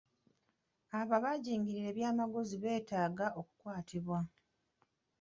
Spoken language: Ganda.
Abo abajingirira ebyamaguzi beetaaga okukwatibwa.